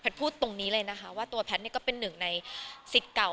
พูดตรงนี้เลยนะคะว่าตัวแพทย์ก็เป็นหนึ่งในสิทธิ์เก่า